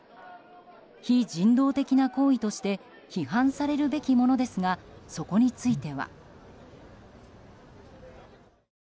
非人道的な行為として批判されるべきものですがそこについては。